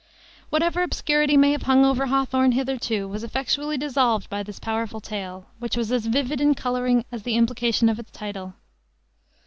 Whatever obscurity may have hung over Hawthorne hitherto was effectually dissolved by this powerful tale, which was as vivid in coloring as the implication of its title.